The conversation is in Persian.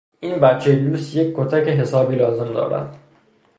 این بچهی لوس یک کتک حسابی لازم دارد.